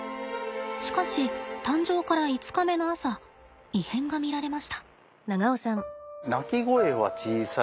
しかし誕生から５日目の朝異変が見られました。